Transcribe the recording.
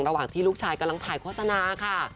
ระหว่างที่ลูกชายกำลังถ่ายโฆษณาค่ะ